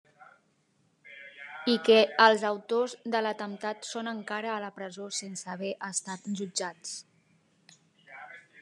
I que els autors de l'atemptat són encara a la presó sense haver estat jutjats.